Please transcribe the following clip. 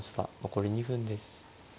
残り２分です。